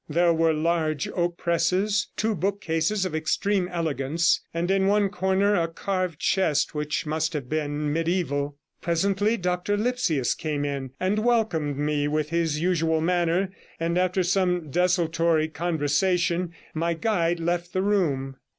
There were large oak presses, two book cases of extreme elegance, and in one corner a carved chest which must have been mediaeval. Presently Dr Lipsius came in and welcomed me with his usual manner, and after some desultory conversation my guide left the room.